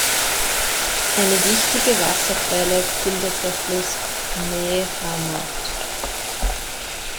Eine wichtige Wasserquelle bildet der Fluss Mae Ramat.